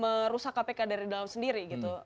merusak kpk dari dalam sendiri gitu